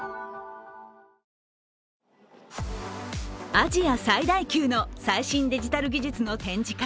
アジア最大級の最新デジタル技術の展示会